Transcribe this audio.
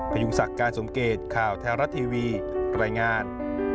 พยุงศักดิ์การสมเกตข่าวแท้รัฐทีวีรายงาน